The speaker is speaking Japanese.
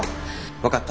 分かった。